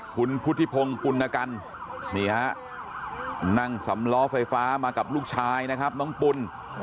คุณพุทธิพงศ์ปุณกันนี่ฮะนั่งสำล้อไฟฟ้ามากับลูกชายนะครับน้องปุ่น